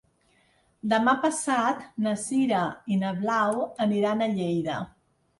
Demà passat na Sira i na Blau aniran a Lleida.